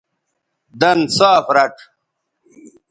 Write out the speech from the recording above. دَن صاف رَڇھ